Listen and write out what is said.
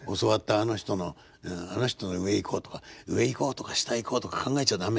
あの人のあの人の上行こうとか上行こうとか下行こうとか考えちゃ駄目。